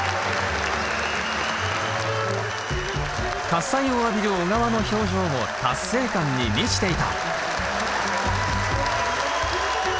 喝采を浴びる緒川の表情も達成感に満ちていた。